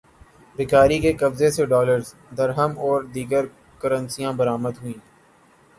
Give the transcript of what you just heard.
بھکاری کے قبضے سے ڈالرز، درہم اور دیگر کرنسیاں برآمد ہوئیں